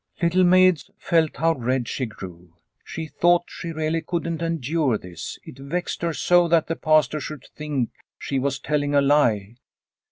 Little Maid felt how red she grew. She thought she really couldn't endure this; it vexed her so that the Pastor should think she was telling a lie.